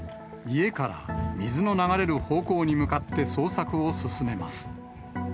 家から水の流れる方向に向かって捜索を進めます。